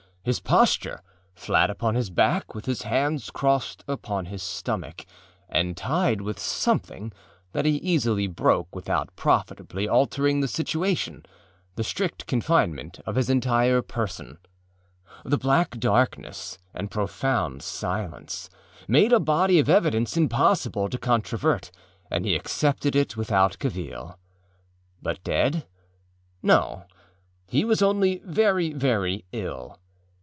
His postureâflat upon his back, with his hands crossed upon his stomach and tied with something that he easily broke without profitably altering the situationâthe strict confinement of his entire person, the black darkness and profound silence, made a body of evidence impossible to controvert and he accepted it without cavil. But deadâno; he was only very, very ill.